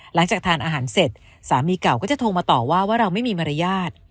หลังจากทานอาหารเสร็จสามีเก่าก็จะโทรมาต่อว่าว่าเราไม่มีมารยาท